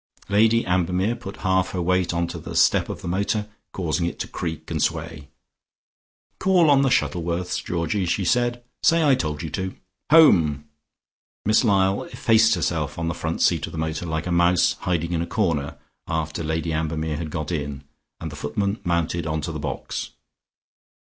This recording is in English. Lady Ambermere put half her weight onto the step of the motor, causing it to creak and sway. "Call on the Shuttleworths, Georgie," she said. "Say I told you to. Home!" Miss Lyall effaced herself on the front seat of the motor, like a mouse hiding in a corner, after Lady Ambermere had got in, and the footman mounted onto the box.